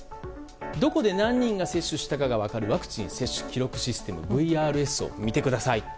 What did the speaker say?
どこで何人が接種したかが分かるワクチン接種記録システム・ＶＲＳを見てください。